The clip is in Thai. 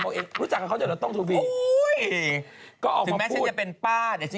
ก็กล้าอย่างนี้